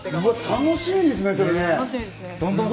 楽しみですね、それ。